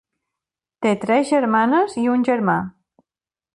Té tres germanes i un germà.